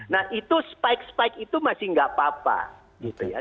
nah itu spike spike itu masih nggak apa apa